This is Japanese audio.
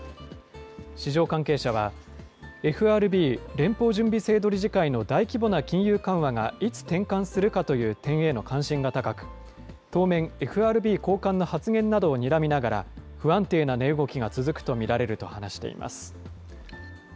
市場関係者は、ＦＲＢ・連邦準備制度理事会の大規模な金融緩和が、いつ転換するかという点への関心が高く、当面、ＦＲＢ高官の発言などをにらみながら、不安定な値動きが続くと見られると話しています。